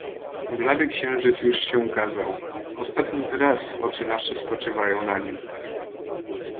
"Blady księżyc już się ukazał; ostatni to raz oczy nasze spoczywają na nim."